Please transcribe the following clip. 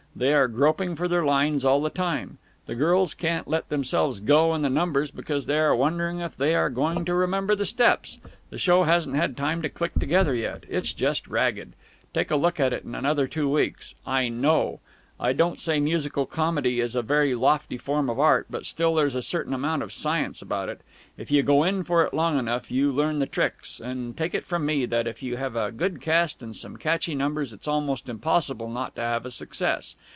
They are groping for their lines all the time. The girls can't let themselves go in the numbers, because they are wondering if they are going to remember the steps. The show hasn't had time to click together yet. It's just ragged. Take a look at it in another two weeks! I know! I don't say musical comedy is a very lofty form of art, but still there's a certain amount of science about it. If you go in for it long enough, you learn the tricks, and take it from me that, if you have a good cast and some catchy numbers it's almost impossible not to have a success.